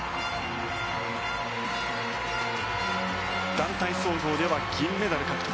団体総合では銀メダル獲得。